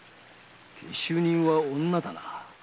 下手人は女だな。